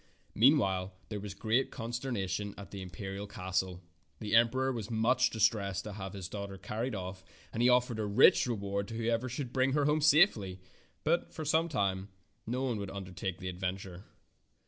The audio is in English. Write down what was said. Meanwhile there was great consternation at the imperial castle. The emperor was much distressed to have his daughter car ried off, and he offered a rich reward to who ever should bring her safely home, but for some time no one would undertake the ad venture.